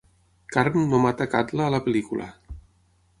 Karm no mata Kàtla a la pel·lícula.